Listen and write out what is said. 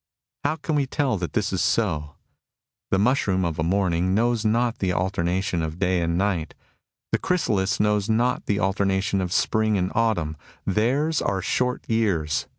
How can we tell that this is so ? The mushroom of a morning knows not the alternation of day and night. The chrysalis knows not the alternation of spring and autumn. Theirs are short years.